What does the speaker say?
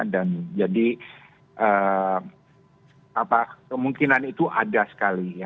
dan jadi kemungkinan itu ada sekali